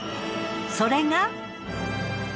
それが。